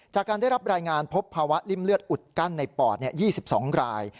จากการได้รับรายงานพบภาวะริ่มเลือดอุดกั้นในปอด๒๒ราย